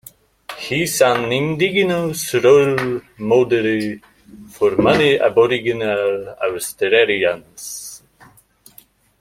He is an indigenous role model for many aboriginal Australians.